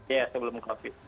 iya sebelum covid